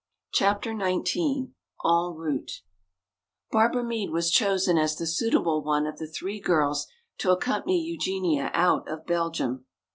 CHAPTER XIX En Route Barbara Meade was chosen as the suitable one of the three girls to accompany Eugenia out of Belgium.